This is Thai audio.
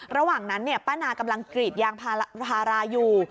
ระหว่างนั้นป้านากำลังกรีดยางพาราอยู่